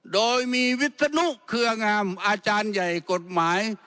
โดยมีวิศนุเครืองามอาจารย์ใหญ่กฎหมาย